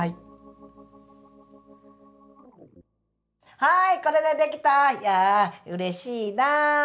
はいこれで出来たいやうれしいなと